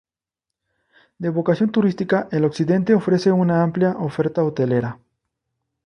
De vocación turística, el Occidente ofrece una amplia oferta hotelera.